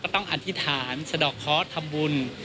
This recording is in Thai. ต้องอธิษฐานสะดอกเคาะทำบุญ